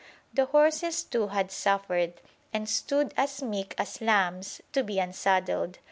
The horses, too, had suffered, and stood as meek as lambs to be unsaddled.